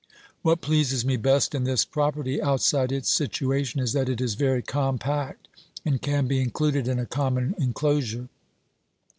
What pleases me best in this property, outside its situa tion, is that it is very compact, and can be included in a common enclosure.